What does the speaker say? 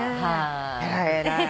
偉い偉い。